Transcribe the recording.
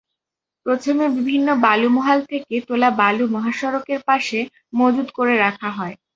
প্রথমে বিভিন্ন বালুমহাল থেকে তোলা বালু মহাসড়কের পাশে মজুদ করে রাখা হয়।